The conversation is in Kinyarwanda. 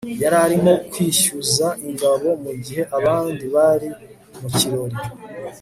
yararimo Kwishyuza ingabo mugihe abandi bari mukirori